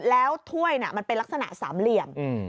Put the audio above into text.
แล้วถ้วยมันเป็นลักษณะสามเหลี่ยม